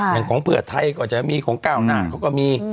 อย่างของเพื่อไทยก็จะมีของก้าวหน้าเขาก็มี